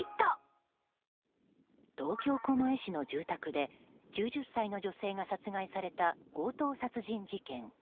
東京・狛江市の住宅で９０歳の女性が殺害された強盗殺人事件。